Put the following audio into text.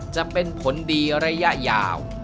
จะเป็นผลดีระยะยาว